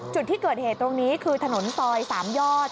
จุดที่เกิดเหตุตรงนี้คือถนนซอย๓ยอด